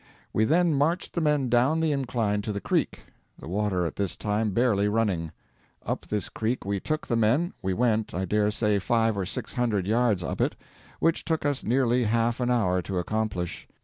We then marched the men down the incline to the creek; the water at this time barely running. Up this creek we took the men; we went, I daresay, five or six hundred yards up it, which took us nearly half an hour to accomplish.